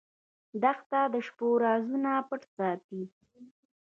دښته د شپو رازونه پټ ساتي.